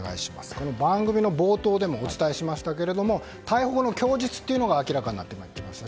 番組冒頭でもお伝えしましたが逮捕後の供述が明らかになってきました。